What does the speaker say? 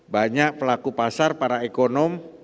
banyak pelaku pasar para ekonom